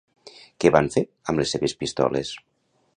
Què van fer amb les seves pistoles?